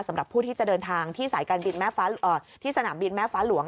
สำหรับผู้ที่จะเดินทางที่สนามบินแม่ฟ้าหลวง